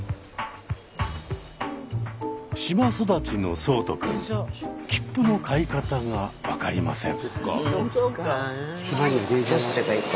島育ちの聡人くん切符の買い方が分かりません。